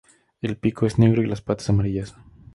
El pico es negro y las patas amarillas.